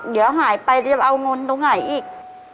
เดี๋ยวหายไปจะเอาเงินตรงไหนอีก